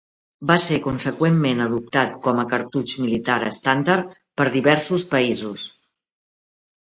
Va ser conseqüentment adoptat com a cartutx militar estàndard per diversos països.